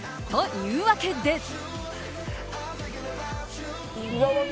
というわけで。